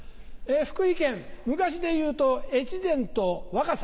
福井県昔でいうと越前と若狭。